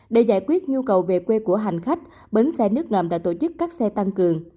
để giải quyết nhu cầu về quê của hành khách bến xe nước ngầm đã tổ chức các xe tăng cường